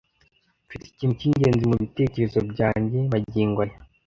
Mfite ikintu cyingenzi mubitekerezo byanjye magingo aya.